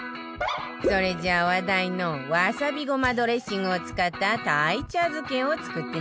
それじゃあ話題のわさびごまドレッシングを使った鯛茶漬けを作ってみるわよ